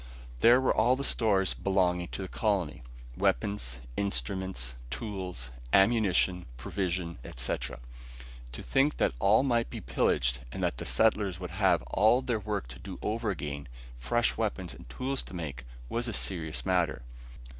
There were all the stores belonging to the colony, weapons, instruments, tools, ammunition, provisions, etc. To think that all that might be pillaged and that the settlers would have all their work to do over again, fresh weapons and tools to make, was a serious matter.